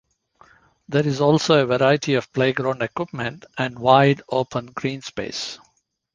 There is also a variety of playground equipment and wide open green space.